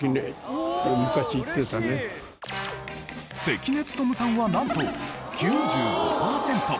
関根勤さんはなんと９５パーセント。